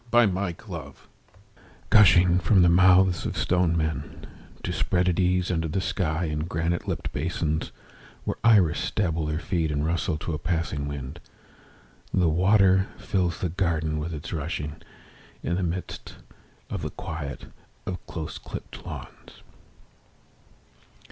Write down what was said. In a Garden Gushing from the mouths of stone men To spread at ease under the sky In granite lipped basins, Where iris dabble their feet And rustle to a passing wind, The water fills the garden with its rushing, In the midst of the quiet of close clipped lawns.